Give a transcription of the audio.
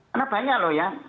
karena banyak loh ya